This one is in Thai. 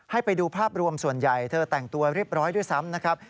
ให้ไปดูภาพรวมส่วนใหญ่เธอแต่งตัวเรียบร้อยด้วยซ้ำนะครับ